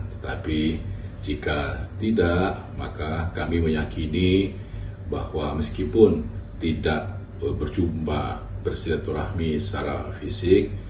tetapi jika tidak maka kami meyakini bahwa meskipun tidak berjumpa bersilaturahmi secara fisik